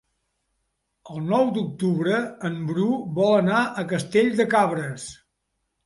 El nou d'octubre en Bru vol anar a Castell de Cabres.